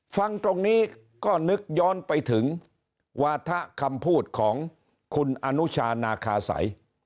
ฟังตรงนี้ก็นึกย้อนไปถึงวาถะคำพูดของคุณอนุชานาคาสัย